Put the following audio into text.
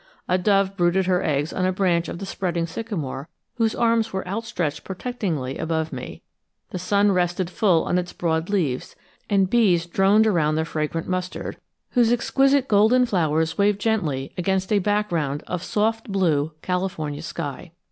A dove brooded her eggs on a branch of the spreading sycamore whose arms were outstretched protectingly above me; the sun rested full on its broad leaves, and bees droned around the fragrant mustard, whose exquisite golden flowers waved gently against a background of soft blue California sky.